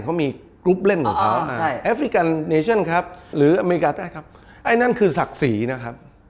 เขามีกรุ๊ปเล่นของเขามาใช่แอฟริกันเนชั่นครับหรืออเมริกาใต้ครับไอ้นั่นคือศักดิ์ศรีนะครับ